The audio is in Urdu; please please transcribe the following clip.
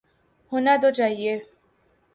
ہونا تو چاہیے۔